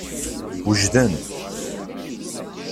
Wejden.